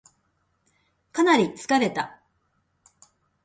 かなり疲れた